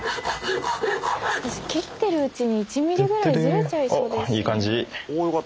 切ってるうちに１ミリぐらいずれちゃいそうですよね。